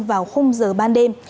vào hôm giờ ban đêm